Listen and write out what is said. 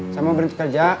saya mau berhenti kerja